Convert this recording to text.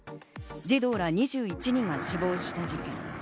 児童ら２１人が死亡した事件。